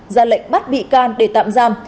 ra lệnh bắt bị can để tạm giam